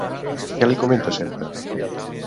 Què li comenta sempre?